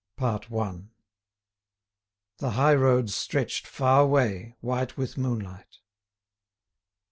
CHAPTER V The high roads stretched far way, white with moonlight.